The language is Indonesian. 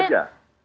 salah satu saja